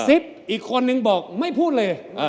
อีกคนนึงบอกไม่พูดเลย